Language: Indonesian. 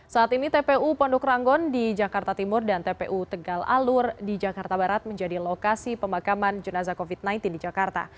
saat ini tpu pondok ranggon di jakarta timur dan tpu tegal alur di jakarta barat menjadi lokasi pemakaman jenazah covid sembilan belas di jakarta